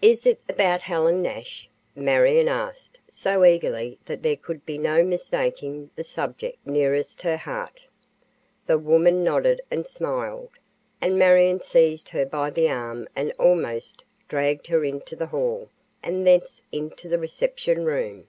"Is it about Helen Nash?" Marion asked, so eagerly that there could be no mistaking the subject nearest her heart. The woman nodded and smiled, and Marion seized her by the arm and almost dragged her into the hall and thence into the reception room.